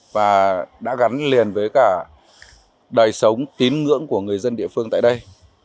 và đã gắn liền với cả đời sống tín ngưỡng của người dân địa phương tại đây